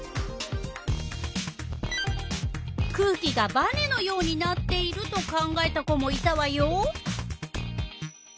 空気がばねのようになっていると考えた子もいたわよ。